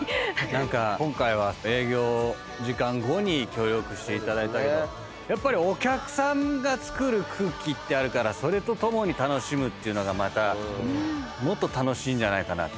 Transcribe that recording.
何か今回は営業時間後に協力していただいたけどやっぱりお客さんがつくる空気ってあるからそれとともに楽しむっていうのがまたもっと楽しいんじゃないかなっていう気しますよね。